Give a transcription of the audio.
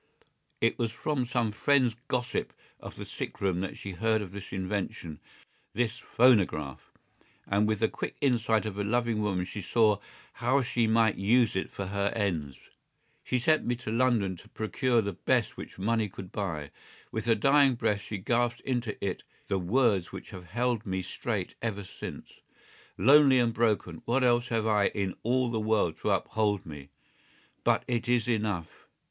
"It was from some friend's gossip of the sick room that she heard of this invention—this phonograph—and with the quick insight of a loving woman she saw how she might use it for her ends. She sent me to London to procure the best which money could buy. With her dying breath she gasped into it the words which have held me straight ever since. Lonely and broken, what else have I in all the world to uphold me? But it is enough.